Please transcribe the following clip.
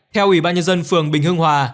theo ủy ban nhân dân phường bình hưng hòa